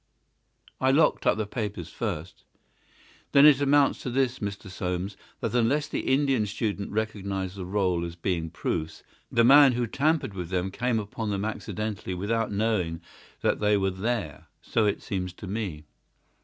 "I locked up the papers first." "Then it amounts to this, Mr. Soames, that unless the Indian student recognised the roll as being proofs, the man who tampered with them came upon them accidentally without knowing that they were there." "So it seems to me."